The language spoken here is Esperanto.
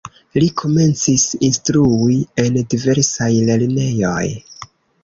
Li komencis instrui en diversaj lernejoj.